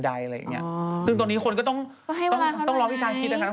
ดังนั้นก็ต้องรอพี่ชายคิด